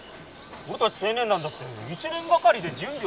俺たち青年団だって１年がかりで準備を。